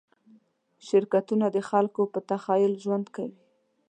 شرکتونه د خلکو په تخیل ژوند کوي.